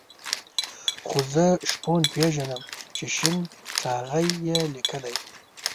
خو زه شپون پېژنم چې شين ټاغی یې لیکلی.